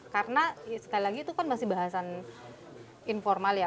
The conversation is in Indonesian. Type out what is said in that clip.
karena sekali lagi itu kan masih bahasan informal ya